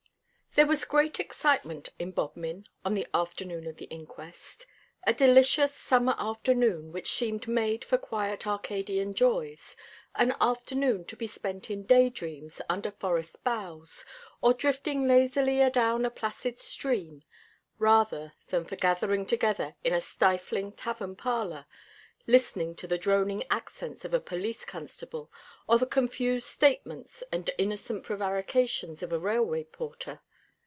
There was great excitement in Bodmin on the afternoon of the inquest; a delicious summer afternoon, which seemed made for quiet arcadian joys; an afternoon to be spent in day dreams under forest boughs, or drifting lazily adown a placid stream; rather than for gathering together in a stifling tavern parlour, listening to the droning accents of a police constable, or the confused statements and innocent prevarications of a railway porter.